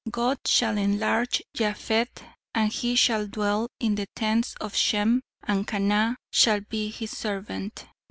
'God shall enlarge Japheth, and he shall dwell in the tents of Shem and Canaan shall be his servant.'